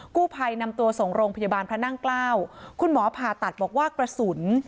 กู้ภัยนำตัวส่งโรงพยาบาลพระนั่งเกล้าคุณหมอผ่าตัดบอกว่ากระสุน